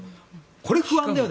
これ不安だよね。